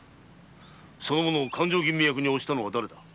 その者を勘定吟味役に推したのは誰だ？